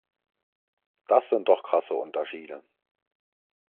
Das sind doch krasse Unterschiede!